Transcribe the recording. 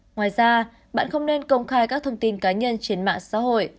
ngoài ra bạn không nên công khai các thông tin cá nhân trên mạng xã hội